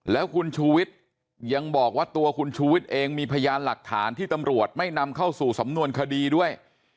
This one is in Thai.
แล้วคุณชูวิทย์ยังบอกว่าตัวคุณชูวิทย์เองมีพยานหลักฐานที่ตำรวจไม่นำเข้าสู่สำนวนคดีด้วย